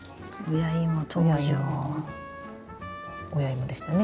親イモでしたね。